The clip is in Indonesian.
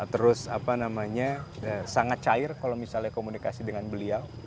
terus sangat cair kalau misalnya komunikasi dengan beliau